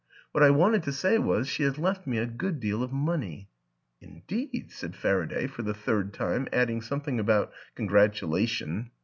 What I wanted to say was, she has left me a good deal of money." "Indeed?" said Faraday for the third time, adding something about " congratulation."